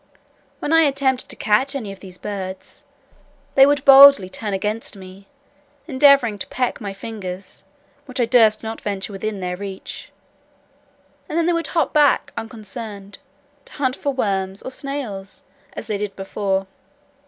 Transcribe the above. When I attempted to catch any of these birds, they would boldly turn against me, endeavouring to peck my fingers, which I durst not venture within their reach; and then they would hop back unconcerned, to hunt for worms or snails, as they did before.